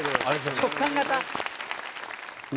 直感型。